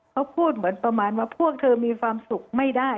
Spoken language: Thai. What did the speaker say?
เขาพูดเหมือนประมาณว่าพวกเธอมีความสุขไม่ได้